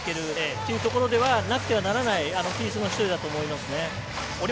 そういうところではなくてはならない選手の１人だと思います。